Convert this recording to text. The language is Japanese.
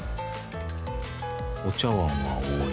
お茶碗は多い。